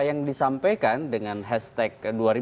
yang disampaikan dengan hashtag